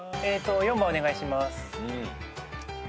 ４番お願いします。